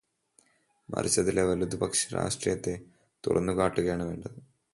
മറിച്ച്, അതിലെ വലതുപക്ഷ രാഷ്ട്രീയത്തെ തുറന്നുകാട്ടുകയാണ് വേണ്ടത്.